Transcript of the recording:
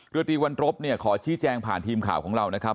เรือตีวันรบเนี่ยขอชี้แจงผ่านทีมข่าวของเรานะครับ